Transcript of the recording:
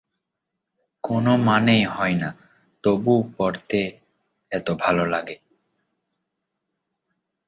কোনো মানে হয় না, তবু পড়তে এত ভালো লাগে!